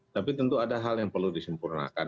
tapi tentu ada hal yang perlu disempurnakan